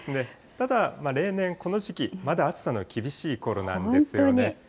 ただ、例年、この時期、まだ暑さの厳しいころなんですよね。